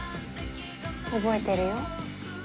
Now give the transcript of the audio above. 覚えてるよ。